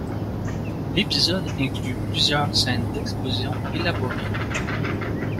L'épisode inclut plusieurs scènes d'explosions élaborées.